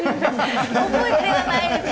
覚えてはないですね。